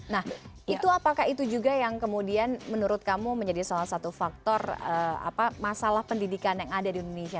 nah itu apakah itu juga yang kemudian menurut kamu menjadi salah satu faktor masalah pendidikan yang ada di indonesia